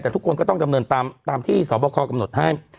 แต่ทุกคนก็ต้องดำเนินตามที่สอบคอกำหนดให้